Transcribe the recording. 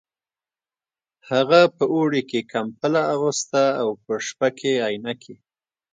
هغه په اوړي کې کمبله اغوسته او په شپه کې عینکې